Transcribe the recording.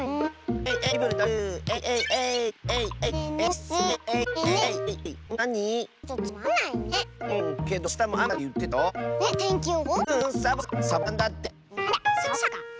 はい。